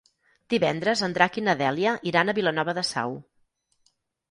Divendres en Drac i na Dèlia iran a Vilanova de Sau.